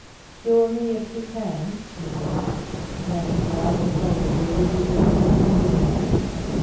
"Cure me, if you can," he said; "nothing that I can tell you will give you any help in doing that.